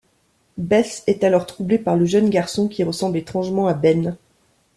Beth est alors troublée par le jeune garçon qui ressemble étrangement à Ben…